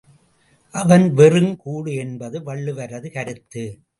அவன் வெறும் கூடு என்பது வள்ளுவரது கருத்து.